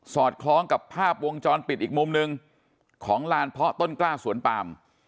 อดคล้องกับภาพวงจรปิดอีกมุมหนึ่งของลานเพาะต้นกล้าสวนปาม